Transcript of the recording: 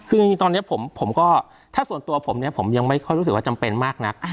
คือจริงตอนนี้ผมก็ถ้าส่วนตัวผมเนี่ยผมยังไม่ค่อยรู้สึกว่าจำเป็นมากนัก